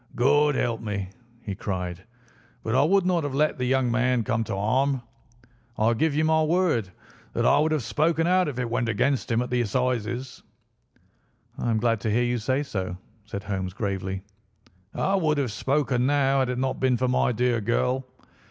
"God help me!" he cried. "But I would not have let the young man come to harm. I give you my word that I would have spoken out if it went against him at the Assizes." "I am glad to hear you say so," said Holmes gravely. "I would have spoken now had it not been for my dear girl.